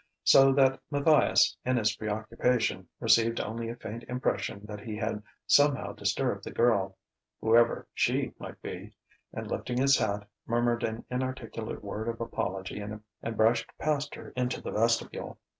So that Matthias, in his preoccupation, received only a faint impression that he had somehow disturbed the girl (whoever she might be) and lifting his hat, murmured an inarticulate word of apology and brushed past her into the vestibule.